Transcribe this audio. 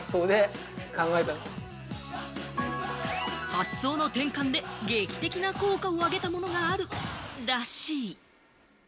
発想の転換で劇的な効果を上げたものがあるらしい。